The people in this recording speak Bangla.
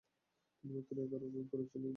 তিনি মাত্র এগারো রান খরচ করেছিলেন।